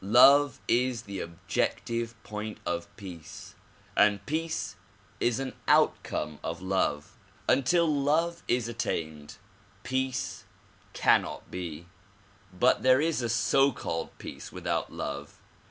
Love is the objective point of peace and peace is an outcome of love. Until love is attained, peace cannot be ; but there is a so called peace without love.